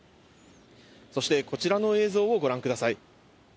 そして、こちらの映像をご覧ください。